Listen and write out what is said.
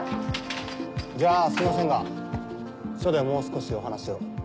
じゃあすいませんが署でもう少しお話を。